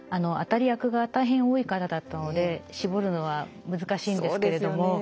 当たり役が大変多い方だったので絞るのは難しいんですけれども。